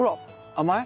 甘い？